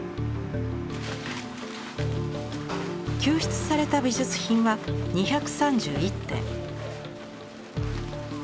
救出された美術品は２３１点。